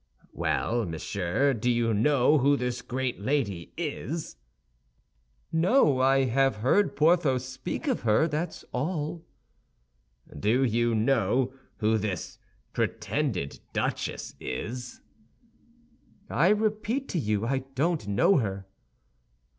"Well, monsieur, do you know who this great lady is?" "No; I have heard Porthos speak of her, that's all." "Do you know who this pretended duchess is? "I repeat to you, I don't know her."